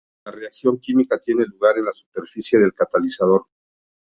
La reacción química tiene lugar en la superficie del catalizador.